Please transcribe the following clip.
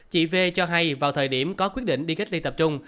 chị v cho hay vào thời điểm có quyết định đi cách ly tập trung